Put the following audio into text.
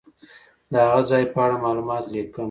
د هغه ځای په اړه معلومات لیکم.